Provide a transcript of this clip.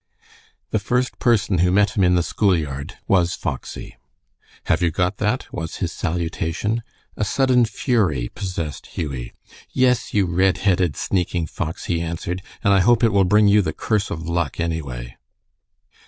The first person who met him in the school yard was Foxy. "Have you got that?" was his salutation. A sudden fury possessed Hughie. "Yes, you red headed, sneaking fox," he answered, "and I hope it will bring you the curse of luck, anyway."